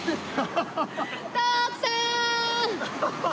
徳さーん！！